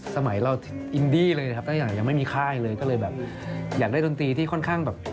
สมัยเราเลยครับตั้งแต่อย่างไรยังไม่มีค่ายเลยก็เลยแบบอยากได้ดนตรีที่ค่อนข้างแบบ